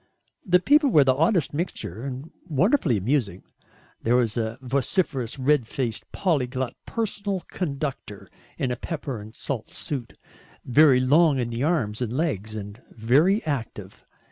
The people were the oddest mixture, and wonderfully amusing. There was a vociferous red faced polyglot personal conductor in a pepper and salt suit, very long in the arms and legs and very active.